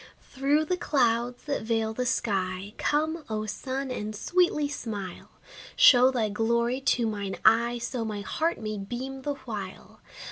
Through the clouds that veil the sky, Come, O sun, and sweetly smile! Show thy glory to mine eye, So my heart may beam the while.